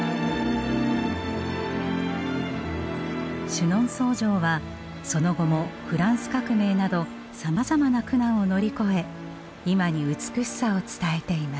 シュノンソー城はその後もフランス革命などさまざまな苦難を乗り越え今に美しさを伝えています。